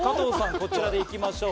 こちらで行きましょう。